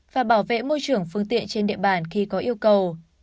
và bảo vệ môi trường phương tiện trên địa bàn khi có yêu cầu